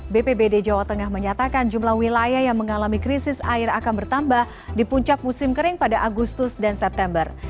bpbd jawa tengah menyatakan jumlah wilayah yang mengalami krisis air akan bertambah di puncak musim kering pada agustus dan september